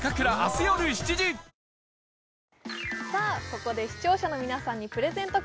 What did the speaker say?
ここで視聴者の皆さんにプレゼント